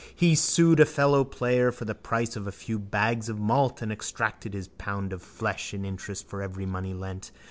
He sued a fellowplayer for the price of a few bags of malt and exacted his pound of flesh in interest for every money lent.